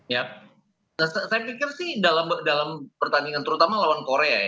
ya saya pikir sih dalam pertandingan terutama lawan korea ya